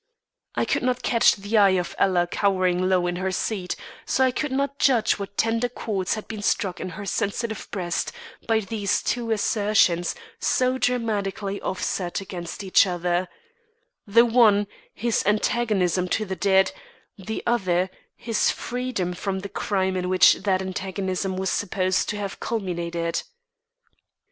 I could not catch the eye of Ella cowering low in her seat, so could not judge what tender chords had been struck in her sensitive breast by these two assertions so dramatically offset against each other the one, his antagonism to the dead; the other, his freedom from the crime in which that antagonism was supposed to have culminated.